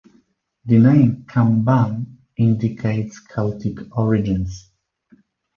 The name "Kamban" indicates Celtic origins.